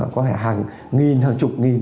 có thể hàng nghìn hàng chục nghìn